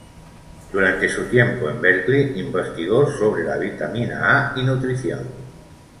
Durante su tiempo en Berkeley, investigó sobre la vitamina A y nutrición.